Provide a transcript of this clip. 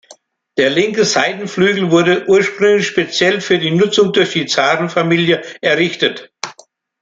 Der linke Seitenflügel wurde ursprünglich speziell für die Nutzung durch die Zarenfamilie errichtet.